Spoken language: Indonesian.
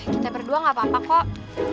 kita berdua gak apa apa kok